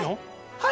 はい。